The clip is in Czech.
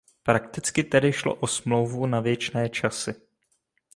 Prakticky tedy šlo o smlouvu na věčné časy.